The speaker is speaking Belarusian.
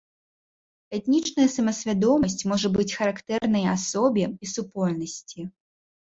Этнічная самасвядомасць можа быць характэрна і асобе, і супольнасці.